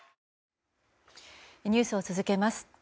ニュースを続けます。